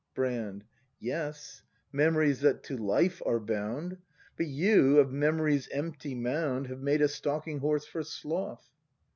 Brand. Yes, memories that to life are bound; But you, of memory's empty mound. Have made a stalking horse for sloth.